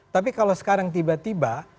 tapi kalau sekarang tiba tiba